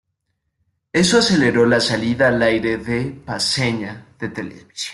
Eso aceleró la salida al aire de Paceña de Televisión.